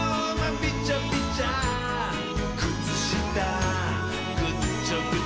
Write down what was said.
びちゃびちゃくつしたぐちょぐちょ」